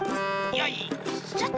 よいしょ！